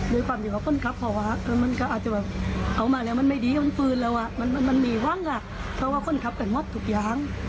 โดยความจริงกับคนครับพอค่ะ